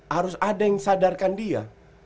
harus ada yang sadarkan dia